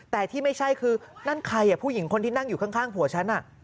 แต่ที่ไม่ใช่คือนั่นใครผู้หญิงคนที่นั่งอยู่ข้างผัวฉัน